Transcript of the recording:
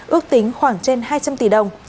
ước tính khoảng trên hai trăm linh tỷ đồng